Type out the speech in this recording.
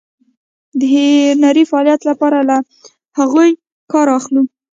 د هنري فعالیتونو لپاره له هغو ګټه اخلو.